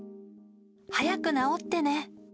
早く治ってね。